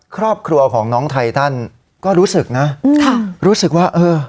ครอบครัวของน้องไทตันก็รู้สึกนะค่ะรู้สึกว่าเออ